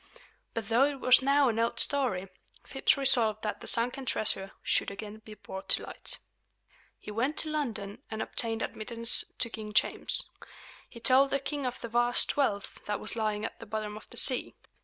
But though it was now an old story, Phips resolved that the sunken treasure should again be brought to light. He went to London and obtained admittance to King James. He told the king of the vast wealth that was lying at the bottom of the sea.